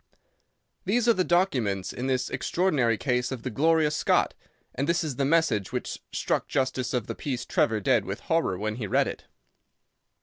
These are the documents in the extraordinary case of the Gloria Scott, and this is the message which struck Justice of the Peace Trevor dead with horror when he read it."